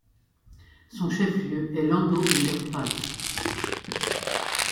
Son chef lieu est Landau in der Pfalz.